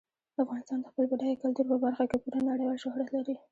افغانستان د خپل بډایه کلتور په برخه کې پوره نړیوال شهرت لري.